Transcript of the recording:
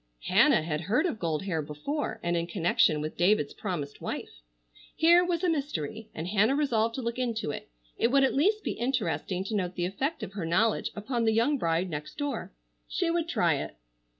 Hannah had heard of gold hair before, and in connection with David's promised wife. Here was a mystery and Hannah resolved to look into it. It would at least be interesting to note the effect of her knowledge upon the young bride next door. She would try it.